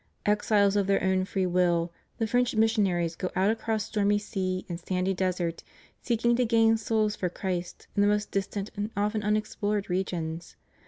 Exiles of their own free will, the French missionaries go out across stormy sea and sandy desert seeking to gain souls for Christ in the most distant and often unexplored regions.